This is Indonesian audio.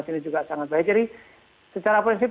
ini juga sangat baik jadi secara prinsip